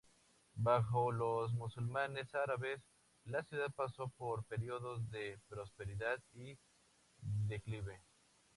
Bajo los musulmanes árabes, la ciudad pasó por períodos de prosperidad y declive.